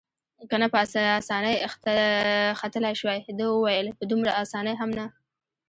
که نه په اسانۍ ختلای شوای، ده وویل: په دومره اسانۍ هم نه.